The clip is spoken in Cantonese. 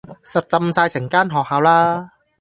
實浸晒成間學校啦